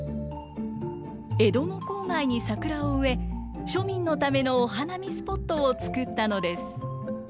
江戸の郊外に桜を植え庶民のためのお花見スポットを作ったのです。